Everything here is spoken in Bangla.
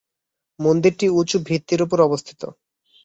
মন্দিরটি উঁচু ভিত্তির উপরে অবস্থিত।